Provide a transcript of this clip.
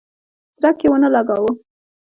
څرک یې ونه لګاوه.